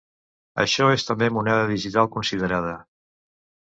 Això és també moneda digital considerada.